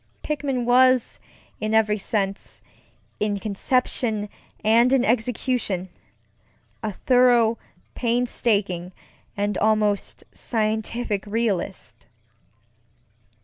Pickman was in every senseŌĆöin conception and in executionŌĆöa thorough, painstaking, and almost scientific realist.